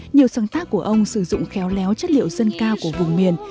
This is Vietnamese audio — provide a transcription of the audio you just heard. nhiều sáng tác của ông sử dụng khéo léo chất liệu dân cao của vùng miền